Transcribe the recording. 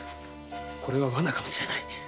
これは罠かもしれない！